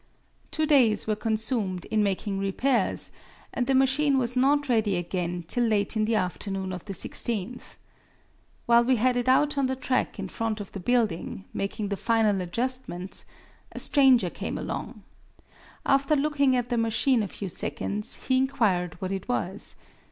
Two days were consumed in making repairs, and the machine was not ready again till late in the afternoon of the 16th. While we had it out on the track in front of the building, making the final adjustments, a stranger came along. After looking at the machine a few seconds he inquired what it was.